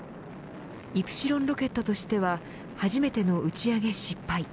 イプシロンロケットとしては初めての打ち上げ失敗。